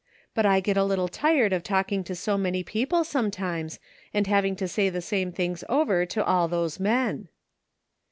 But I get a little tired of talking to so many people sometimes, and having to say the same things over to all those men."